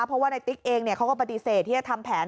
เพราะว่าในติ๊กเองเขาก็ปฏิเสธที่จะทำแผน